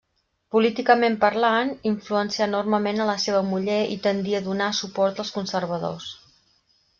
Políticament parlant, influencià enormement a la seva muller i tendí a donar suport als conservadors.